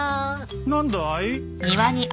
何だい？